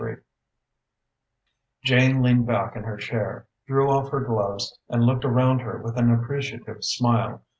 CHAPTER IX Jane leaned back in her chair, drew off her gloves and looked around her with an appreciative smile.